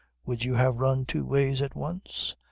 Would you have run two ways at once?